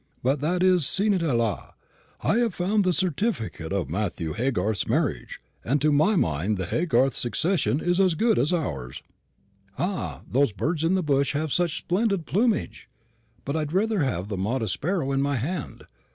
But that is ni ci ni là. I have found the certificate of Matthew Haygarth's marriage, and to my mind the Haygarth succession is as good as ours." "Ah, those birds in the bush have such splendid plumage! but I'd rather have the modest sparrow in my hand.